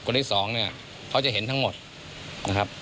ที่สองเนี่ยเขาจะเห็นทั้งหมดนะครับ